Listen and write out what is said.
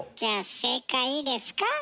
正解いいですか？